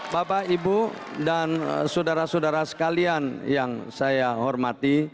bapak ibu dan saudara saudara sekalian yang saya hormati